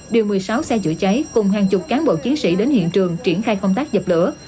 điều một mươi sáu xe chữa cháy cùng hàng chục cán bộ chiến sĩ đến hiện trường triển khai công tác dập lửa